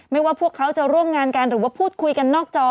ว่าพวกเขาจะร่วมงานกันหรือว่าพูดคุยกันนอกจอ